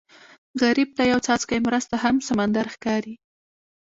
غریب ته یو څاڅکی مرسته هم سمندر ښکاري